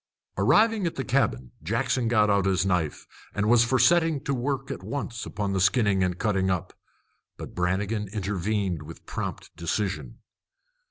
Arriving at the cabin, Jackson got out his knife, and was for setting to work at once on the skinning and cutting up. But Brannigan intervened with prompt decision.